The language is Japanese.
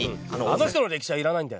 あの人の歴史はいらないんだよ。